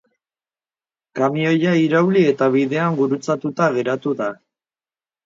Kamioia irauli eta bidean gurutzatuta geratu da.